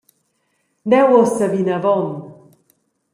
Neu ussa vinavon.